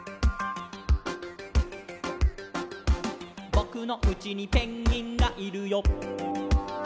「ぼくのうちにペンギンがいるよ」